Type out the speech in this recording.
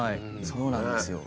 そうなんですよ。